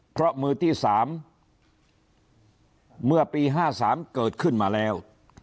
เพราะมือที่๓เมื่อปี๕๓เกิดขึ้นมาแล้ว